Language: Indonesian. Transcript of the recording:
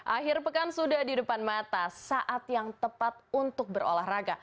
akhir pekan sudah di depan mata saat yang tepat untuk berolahraga